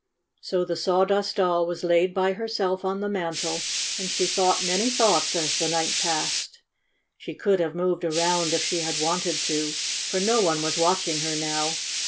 So the Sawdust Doll was laid by herself on the mantel, and she thought many thoughts as the night passed. She could have moved around if she had w T anted to, for no one was watching her now.